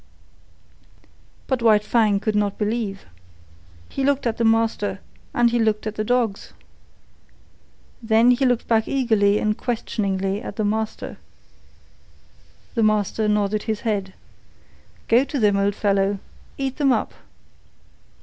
But White Fang could not believe. He looked at the master, and he looked at the dogs. Then he looked back eagerly and questioningly at the master. The master nodded his head. "Go to them, old fellow. Eat them up."